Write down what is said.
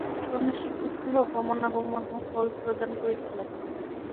সন্ন্যাসী প্রত্যহ গমনাগমন ও ফলপ্রদান করিতে লাগিলেন।